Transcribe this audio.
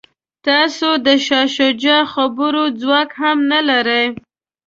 تاسو د شاه شجاع خبرو ځواک هم نه لرئ.